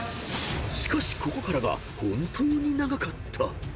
［しかしここからが本当に長かった］